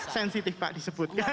sensitif pak disebutkan